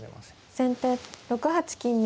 先手６八金右。